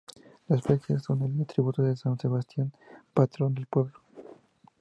Las flechas son el atributo de San Sebastián, patrón del pueblo.